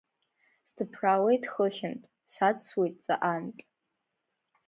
Сҭыԥраауеит хыхьынтә, саҵсуеит ҵаҟантә.